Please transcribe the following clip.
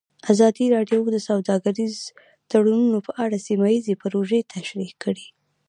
ازادي راډیو د سوداګریز تړونونه په اړه سیمه ییزې پروژې تشریح کړې.